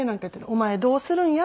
「お前どうするんや？」